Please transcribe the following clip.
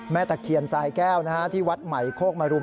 ตะเคียนสายแก้วที่วัดใหม่โคกมรุม